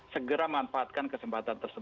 segera manfaatkan kesempatan